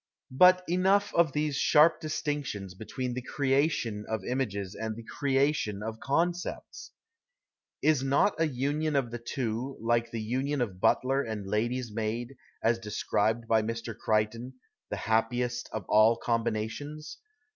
But enough of these sharp distinctions between the " creation ' of images and the " creation " of concepts ! Is not a union of the two, like the union of butler and lady's maid, as described by Mr. Crichton, " the happiest of all combinations